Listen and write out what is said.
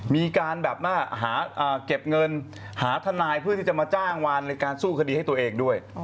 มีการแบบว่าหาเก็บเงินหาทนายเพื่อที่จะมาจ้างวานในการสู้คดีให้ตัวเองด้วย